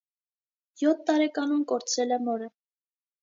Յոթ տարեկանում կորցրել է մորը։